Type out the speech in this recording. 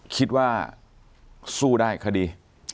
คิดว่าสู้ได้คดี